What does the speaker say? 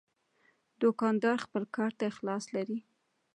دوکاندار خپل کار ته اخلاص لري.